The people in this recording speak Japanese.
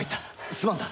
すまんな。